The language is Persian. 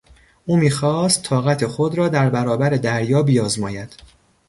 او میخواست طاقت خود را در برابر دریا بیازماید.